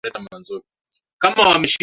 mwanza kwa kweli usalama uko na je ukiangalia